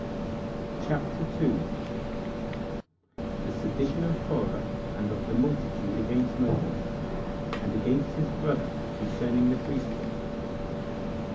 CHAPTER 2. The Sedition Of Corah And Of The Multitude Against Moses, And Against His Brother, Concerning The Priesthood.